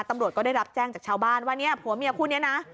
ตำรวจก็ได้รับแจ้งจากชาวบ้านว่าเนี่ยผัวเมียคู่นี้นะ